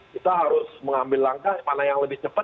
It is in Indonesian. kita harus mengambil langkah mana yang lebih cepat